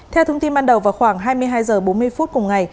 theo thông tin ban đầu vào khoảng hai mươi hai h bốn mươi năm